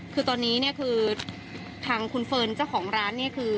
คือตอนนี้เนี่ยคือทางคุณเฟิร์นเจ้าของร้านเนี่ยคือ